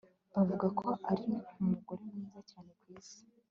Bavuga ko ari umugore mwiza cyane kwisi